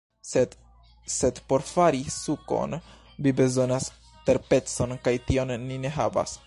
Sed... sed por fari sukon vi bezonas terpecon kaj tion ni ne havas